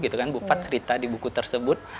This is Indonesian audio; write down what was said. jadi bufat cerita di buku tersebut